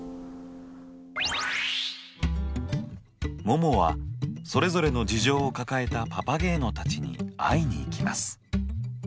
ももはそれぞれの事情を抱えたパパゲーノたちに会いに行きます。